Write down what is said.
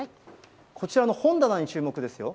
こちらの本棚に注目ですよ。